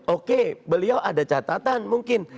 oke beliau ada catatan mungkin